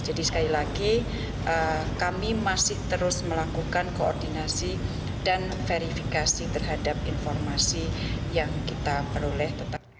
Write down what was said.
jadi sekali lagi kami masih terus melakukan koordinasi dan verifikasi terhadap informasi yang kita peroleh